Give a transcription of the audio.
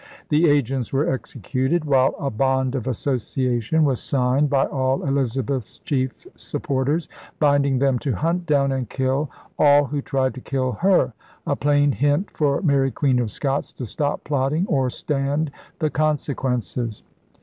The agents were executed, while a 'Bond of Association' was signed by all Elizabeth's chief supporters, binding them to hunt down and kill all who tried to kill her — a plain hint for Mary Queen of Scots to stop plotting or stand the consequences.